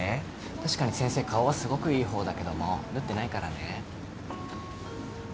確かに先生顔はすごくいい方だけども縫ってないからね。